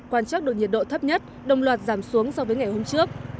quan chắc được nhiệt độ thấp nhất đồng loạt giảm xuống so với ngày hôm trước